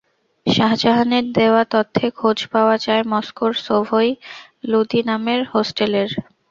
শাহাজাহানের দেওয়া তথ্যে খোঁজ পাওয়া যায় মস্কোর সোভোই লুদি নামের হোস্টেলের।